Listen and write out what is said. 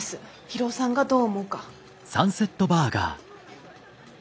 博夫さんがどう思うか。